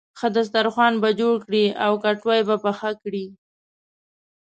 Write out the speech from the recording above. ښه دسترخوان به جوړ کړې او کټوۍ به پخه کړې.